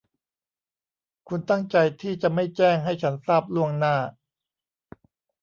คุณตั้งใจที่จะไม่แจ้งให้ฉันทราบล่วงหน้า ?